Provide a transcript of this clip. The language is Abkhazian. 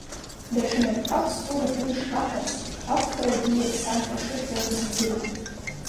Даҽа напқәак зтәу ргәы шкаҳаз, ақәԥара акгьы иаԥсам ҳәа шырҳәауаз удыруеит.